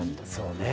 そうね。